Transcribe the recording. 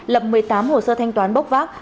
lập một mươi tám hồ sơ thanh toán bốc vác